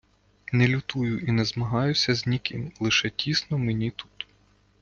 Не лютую і не змагаюся з ніким, лише тісно мені тут.